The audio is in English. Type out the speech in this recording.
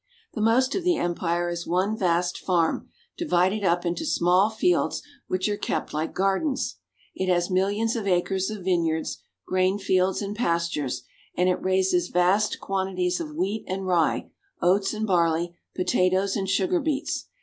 The most of the empire is one vast farm divided up into small fields which are kept like gardens. It has mil lions of acres of vineyards, grain fields, and pastures ; and it raises vast quantities of wheat and rye, oats and barley, potatoes and sugar beets.